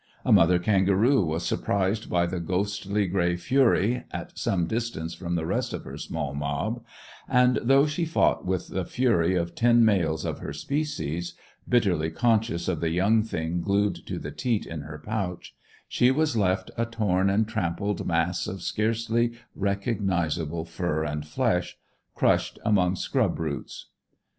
A mother kangaroo was surprised by the ghostly grey fury, at some distance from the rest of her small mob, and, though she fought with the fury of ten males of her species (bitterly conscious of the young thing glued to the teat in her pouch), she was left a torn and trampled mass of scarcely recognizable fur and flesh, crushed among scrub roots.